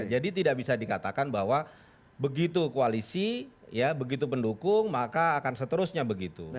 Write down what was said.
jadi tidak bisa dikatakan bahwa begitu koalisi begitu pendukung maka akan seterusnya begitu